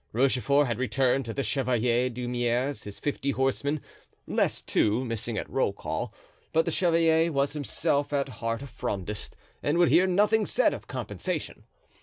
Rochefort had returned to the Chevalier d'Humieres his fifty horsemen, less two, missing at roll call. But the chevalier was himself at heart a Frondist and would hear nothing said of compensation.